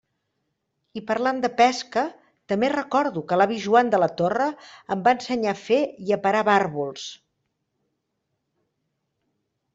I parlant de pesca, també recordo que l'avi Joan de la Torre em va ensenyar a fer i a parar barbols.